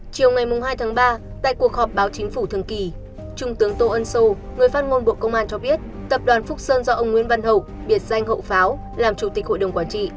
chiều ngày hai tháng ba tại cuộc họp báo chính phủ thường kỳ trung tướng tô ân sô người phát ngôn bộ công an cho biết tập đoàn phúc sơn do ông nguyễn văn hậu biệt danh hậu pháo làm chủ tịch hội đồng quản trị